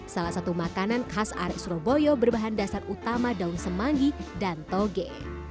salah satu makanan khas ari surabaya berbahan dasar utama daun semangi dan toge